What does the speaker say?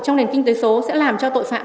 trong nền kinh tế số sẽ làm cho tội phạm